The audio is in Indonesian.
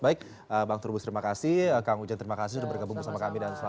baik bang turbus terima kasih kang ujian terima kasih sudah bergabung bersama kami dan selamat malam